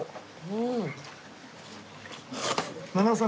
うん。